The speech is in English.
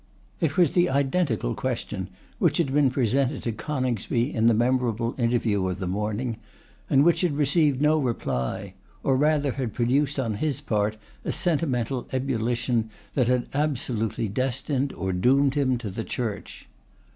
It was the identical question which had been presented to Coningsby in the memorable interview of the morning, and which had received no reply; or rather had produced on his part a sentimental ebullition that had absolutely destined or doomed him to the Church.